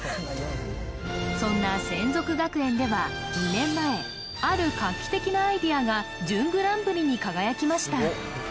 そんな洗足学園では２年前ある画期的なアイデアが準グランプリに輝きました